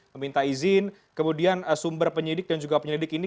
meminta izin kemudian sumber penyidik dan juga penyelidik ini